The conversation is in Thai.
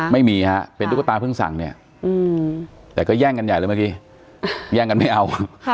ไม่มีฮะเป็นตุ๊กตาเพิ่งสั่งเนี่ยแต่ก็แย่งกันใหญ่เลยเมื่อกี้แย่งกันไม่เอา